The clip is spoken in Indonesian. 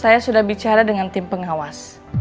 saya sudah bicara dengan tim pengawas